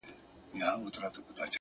بریا له چمتووالي سره مینه لري!